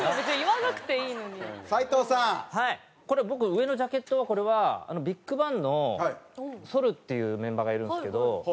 これ僕上のジャケットはこれはＢＩＧＢＡＮＧのＳＯＬっていうメンバーがいるんですけど。